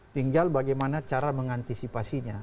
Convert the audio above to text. tinggal bagaimana cara mengantisipasinya